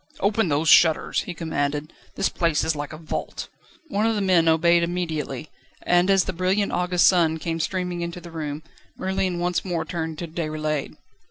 "Open those shutters!" he commanded, "this place is like a vault." One of the men obeyed immediately, and as the brilliant August sun came streaming into the room, Merlin once more turned to Déroulède.